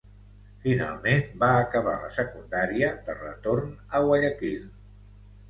Finalment, va acabar la secundària de retorn a Guayaquil.